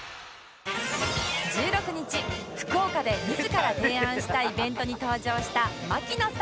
１６日福岡で自ら提案したイベントに登場した槙野さん